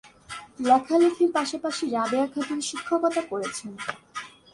লেখালেখির পাশাপাশি রাবেয়া খাতুন শিক্ষকতা করেছেন।